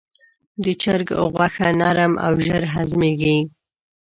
د چرګ غوښه نرم او ژر هضمېږي.